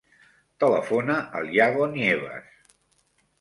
Telefona al Yago Nievas.